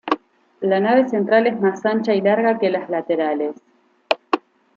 La nave central es más ancha y larga que las laterales.